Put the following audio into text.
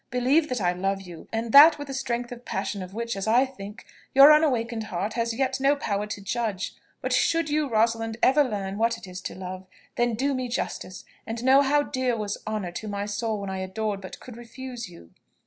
Believe that I love you, and that with a strength of passion of which, as I think, your unawakened heart has yet no power to judge. But should you, Rosalind, ever learn what it is to love, then do me justice, and know how dear was honour to my soul when I adored but could refuse you."